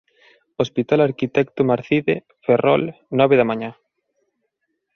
Hospital Arquitecto Marcide, Ferrol: nove da mañá.